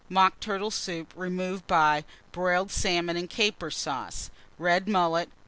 _ Mock Turtle Soup, removed by Broiled Salmon and Caper Sauce. Red Mullet.